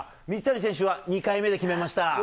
水谷選手は２回目で決めました。